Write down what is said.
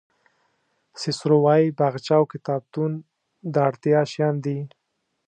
سیسرو وایي باغچه او کتابتون د اړتیا شیان دي.